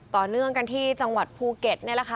ต่อเนื่องกันที่จังหวัดภูเก็ตนี่แหละค่ะ